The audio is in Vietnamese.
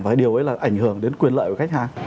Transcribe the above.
và điều ấy là ảnh hưởng đến quyền lợi của khách hàng